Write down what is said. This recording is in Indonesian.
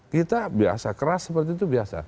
kita biasa keras seperti itu biasa